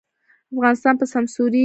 افغانستان به سمسوریږي؟